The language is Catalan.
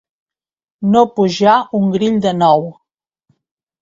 No pujar un grill de nou.